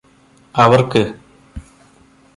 അവർക്ക്